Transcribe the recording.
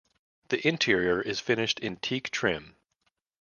The interior is finished in teak trim.